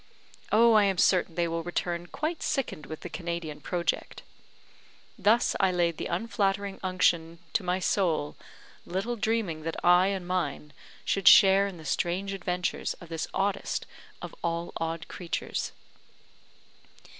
Oh! I am certain they will return quite sickened with the Canadian project." Thus I laid the flattering unction to my soul, little dreaming that I and mine should share in the strange adventures of this oddest of all odd creatures.